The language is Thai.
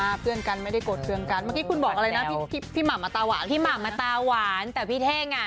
อันนี้หนูแซวนะ